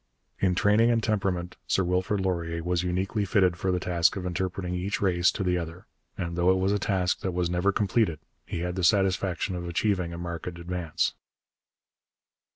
In training and temperament Sir Wilfrid Laurier was uniquely fitted for the task of interpreting each race to the other, and though it was a task that was never completed, he had the satisfaction of achieving a marked advance.